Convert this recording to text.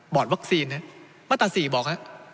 บอร์ดวัคซีนมาตรศรีบอกครับ